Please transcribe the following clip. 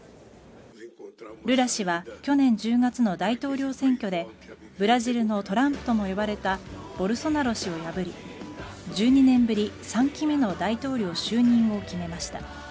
ルラ氏は去年１０月の大統領選挙でブラジルのトランプとも呼ばれたボルソナロ氏を破り１２年ぶり３期目の大統領就任を決めました。